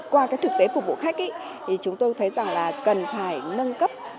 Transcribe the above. qua thực tế phục vụ khách chúng tôi thấy rằng là cần phải nâng cấp